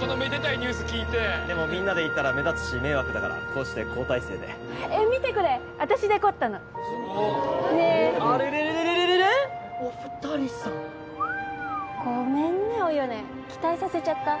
このめでたいニュース聞いてでもみんなで行ったら目立つし迷惑だからこうして交代制でえっ見てこれ私デコったの・すごっねえあれれれお二人さんごめんねお米期待させちゃった？